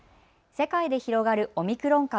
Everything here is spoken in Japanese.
世界で広がるオミクロン株。